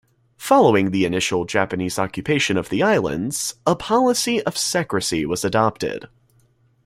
Following the initial Japanese occupation of the islands, a policy of secrecy was adopted.